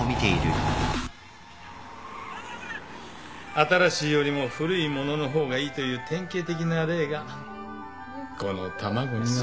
新しいよりも古いものの方がいいという典型的な例がこの卵にはある。